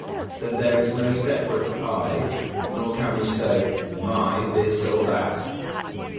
_Then there is no separate "I," nor can we say "my" this or that?